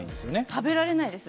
食べられないです。